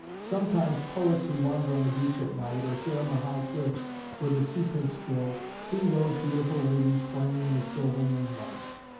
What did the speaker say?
Sometimes poets who wander on the beach at night, or sit on the high cliffs where the sea pinks grow, see those beautiful ladies playing in the silver moonlight.